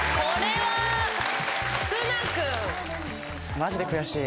マジで悔しい。